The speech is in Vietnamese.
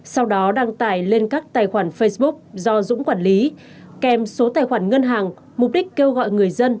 sau đó đăng tải lên các tài khoản facebook do dũng quản lý kèm số tài khoản ngân hàng mục đích kêu gọi người dân